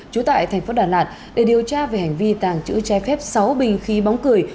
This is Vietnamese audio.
trú tại thành phố đà lạt để điều tra về hành vi tàng trữ trái phép sáu bình khí bóng cười